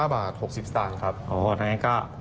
๑๙บาท๖๐สตาร์นครับ